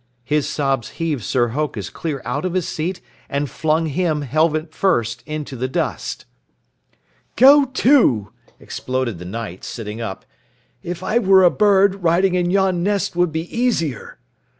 His sobs heaved Sir Hokus clear out of his seat and flung him, helmet first, into the dust. "Go to!" exploded the Knight, sitting up. "If I were a bird, riding in yon nest would be easier."